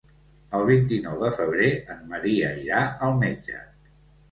El vint-i-nou de febrer en Maria irà al metge.